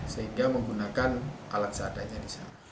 sehingga menggunakan alat seadanya di sana